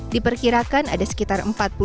diperkirakan ada sekitar empat